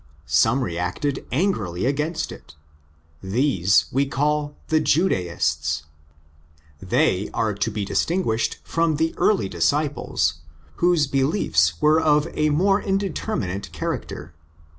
Some reacted angrily against it. These we call the '' Judaists."" They are to be distinguished from the early '' disciples," whose beliefs were of ἃ more inde terminate character.